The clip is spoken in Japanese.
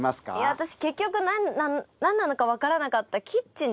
私結局何なのか分からなかった。